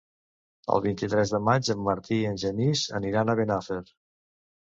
El vint-i-tres de maig en Martí i en Genís aniran a Benafer.